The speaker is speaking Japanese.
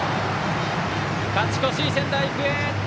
勝ち越し、仙台育英。